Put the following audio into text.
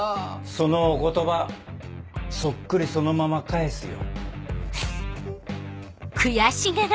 そのお言葉そっくりそのまま返すよ。